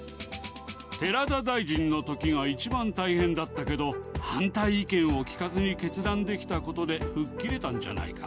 寺田大臣のときが一番大変だったけど、反対意見を聞かずに決断できたことで、吹っ切れたんじゃないか。